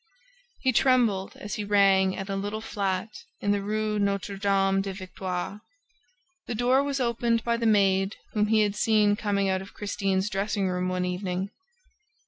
He trembled as he rang at a little flat in the Rue Notre Dame des Victoires. The door was opened by the maid whom he had seen coming out of Christine's dressing room one evening.